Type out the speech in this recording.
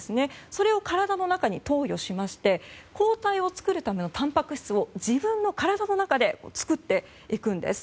それを体の中に投与しまして抗体を作るためのたんぱく質を自分の体の中で作っていくんです。